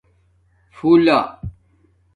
پُھولہ